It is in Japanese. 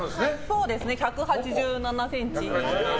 そうですね、１８７ｃｍ。